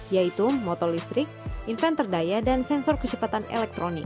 yaitu motor listrik inventor daya dan sensor kecepatan elektronik